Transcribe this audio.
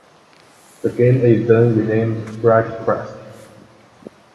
The game is then renamed "SpriteQuest".